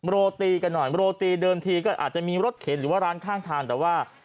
โรตีกันหน่อยโรตีเดิมทีก็อาจจะมีรถเข็นหรือว่าร้านข้างทางแต่ว่า